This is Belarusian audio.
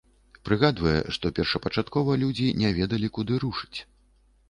Прыгадвае, што першапачаткова людзі не ведалі, куды рушыць.